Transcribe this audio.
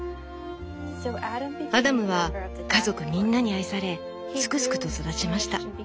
「アダムは家族みんなに愛されすくすくと育ちました。